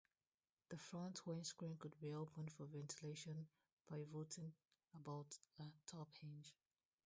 The front windscreen could be opened for ventilation pivoting about a top hinge.